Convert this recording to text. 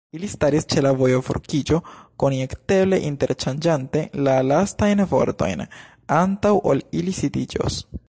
Ili staris ĉe la vojoforkiĝo, konjekteble interŝanĝante la lastajn vortojn, antaŭ ol ili disiĝos.